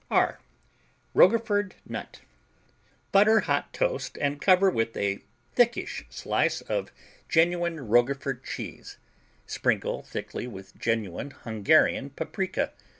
R Roquefort Nut Butter hot toast and cover with a thickish slice of genuine Roquefort cheese. Sprinkle thickly with genuine Hungarian paprika.